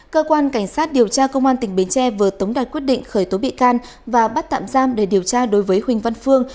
cơ quan cảnh sát điều tra công an tỉnh bến tre vừa tống đạt quyết định khởi tố bị can và bắt tạm giam để điều tra đối với huỳnh văn phương